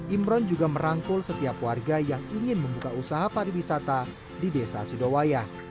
imron juga merangkul setiap warga yang ingin membuka usaha pariwisata di desa sidowaya